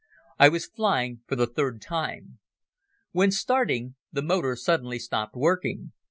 I was flying for the third time. When starting, the motor suddenly stopped working.